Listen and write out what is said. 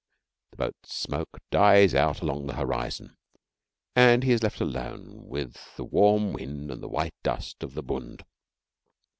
The boat's smoke dies out along the horizon, and he is left alone with the warm wind and the white dust of the Bund.